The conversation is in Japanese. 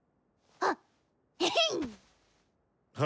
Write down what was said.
あっ！